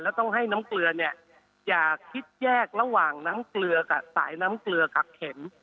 แล้วต้องให้น้ำเกลือเนี่ยจะคิดแยกระหว่างสายน้ำเกลือกับเข็ม